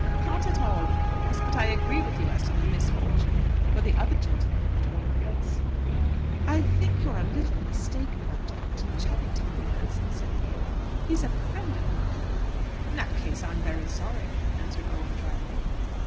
"Not at all, 'of course.' But I agree with you as to the misfortune for the other gentlemen, at all events!" "I think you're a little mistaken about Captain Cheffington, Rivers," said Theodore. "He's a friend of mine." "In that case I'm very sorry," answered Owen drily.